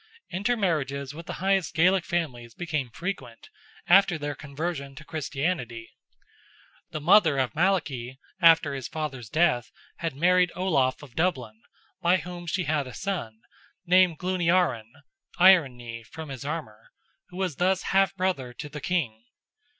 Inter marriages with the highest Gaelic families became frequent, after their conversion to Christianity. The mother of Malachy, after his father's death, had married Olaf of Dublin, by whom she had a son, named Gluniarran (Iron Knee, from his armour), who was thus half brother to the King.